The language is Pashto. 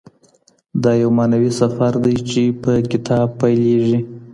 دا یو معنوي سفر دی چي په کتاب پیلېږي.